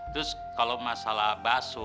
terus kalau masalah bakso